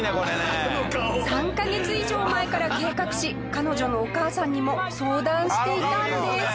３カ月以上前から計画し彼女のお母さんにも相談していたんです。